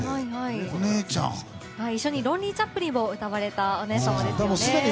一緒に「ロンリー・チャップリン」を歌われたお姉さまですね。